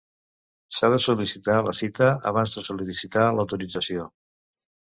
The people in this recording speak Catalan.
S'ha de sol·licitar la cita abans de sol·licitar l'autorització.